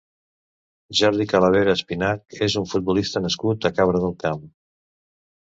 Jordi Calavera Espinach és un futbolista nascut a Cabra del Camp.